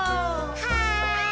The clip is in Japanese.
はい！